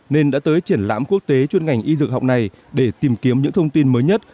nên đã tới triển lãm quốc tế chuyên ngành y dược học này để tìm kiếm những thông tin mới nhất